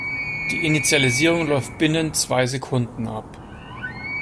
Die Initialisierung läuft binnen zwei Sekunden ab.